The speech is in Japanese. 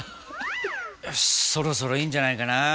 よしそろそろいいんじゃないかな？